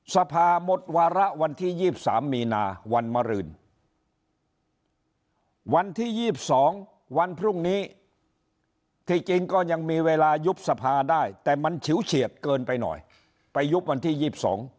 สภาหมดวาระวันที่๒๓มีนาวันมรืนวันที่๒๒วันพรุ่งนี้ที่จริงก็ยังมีเวลายุบสภาได้แต่มันฉิวเฉียดเกินไปหน่อยไปยุบวันที่๒๒